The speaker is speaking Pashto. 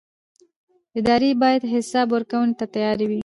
ادارې باید حساب ورکونې ته تیار وي